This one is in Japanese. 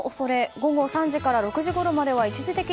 午後３時から６時ごろまでは一時的に